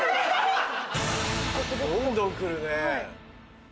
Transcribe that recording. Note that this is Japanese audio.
どんどん来るね。